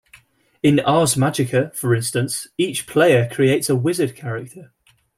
In Ars Magica, for instance, each player creates a Wizard character.